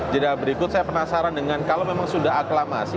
jadwal berikut saya penasaran dengan kalau memang sudah aklamasi